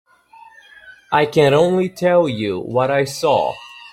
I can only tell you what I saw.